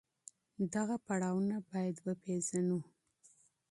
دغه پړاوونه بايد وپېژنو.